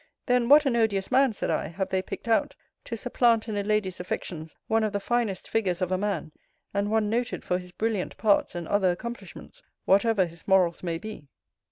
Then, what an odious man, said I, have they picked out, to supplant in a lady's affections one of the finest figures of a man, and one noted for his brilliant parts, and other accomplishments, whatever his morals may be!